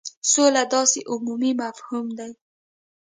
سوله داسي عمومي مفهوم دی.